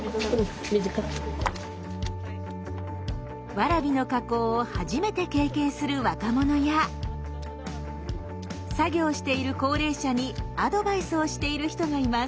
ワラビの加工を初めて経験する若者や作業している高齢者にアドバイスをしている人がいます。